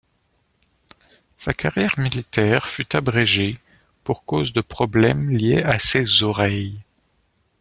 Sa carrière militaire fut abrégée pour causes de problèmes liés à ses oreilles.